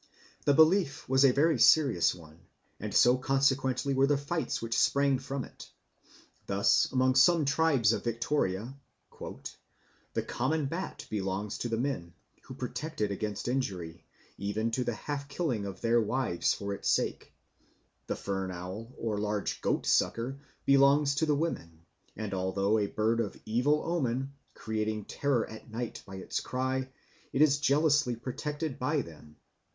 The belief was a very serious one, and so consequently were the fights which sprang from it. Thus among some tribes of Victoria "the common bat belongs to the men, who protect it against injury, even to the half killing of their wives for its sake. The fern owl, or large goatsucker, belongs to the women, and, although a bird of evil omen, creating terror at night by its cry, it is jealously protected by them.